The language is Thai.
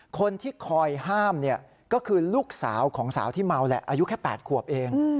คนที่คอยห้ามเนี่ยก็คือลูกสาวของสาวที่เมาแหละอายุแค่๘ขวบเอง